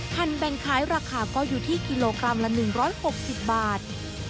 แผ่นแบ่งขายราคาก็อยู่ที่กิโลกรัมละ๑๖๐บาท